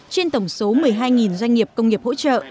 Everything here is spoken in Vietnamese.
trên tổng số một mươi hai doanh nghiệp công nghiệp hỗ trợ